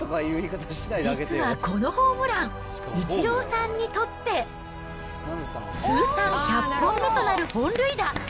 実はこのホームラン、イチローさんにとって、通算１００本目となる本塁打。